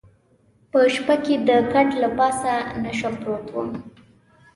په شپه کې د کټ له پاسه نشه پروت وم.